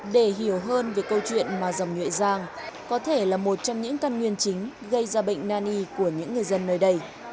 để hiểu hơn về câu chuyện mà dòng nhuệ giang có thể là một trong những căn nguyên chính gây ra bệnh nan y của những người dân nơi đây